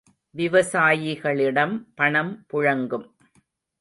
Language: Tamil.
விவசாயிகளிடம் பணம் புழங்கும்.